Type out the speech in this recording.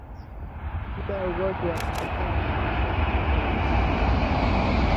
tiba ya ugonjwa wa kisukari inaendana na muda wa tatizo